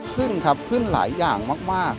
ขึ้นครับขึ้นหลายอย่างมาก